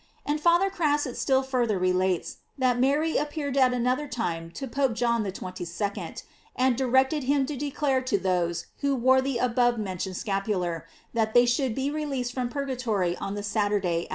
J And Father Crasset still further relates, that Mary appeared at another time to Pope John XXII., and directed him to declare to those who wore the above mentioned scapular, that they should be released from purgatory on the Saturday * To.